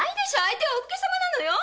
相手はお武家様なのよ。